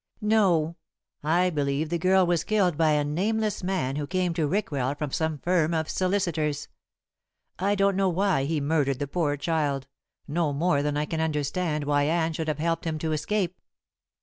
"No, I believe the girl was killed by a nameless man who came to Rickwell from some firm of solicitors. I don't know why he murdered the poor child, no more than I can understand why Anne should have helped him to escape."